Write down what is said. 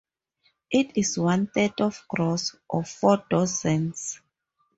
It is one third of a gross, or four dozens.